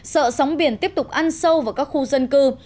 sợ sóng biển tiếp tục ăn sâu vào các khu dân cư